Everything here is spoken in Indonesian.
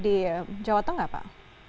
di jawa tengah pak